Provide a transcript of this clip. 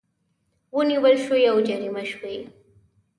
ونیول شوې او جریمه شوې